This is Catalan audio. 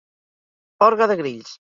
Orgue de grills.